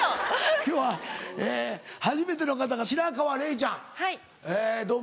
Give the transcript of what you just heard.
今日は初めての方が白河れいちゃんどうも。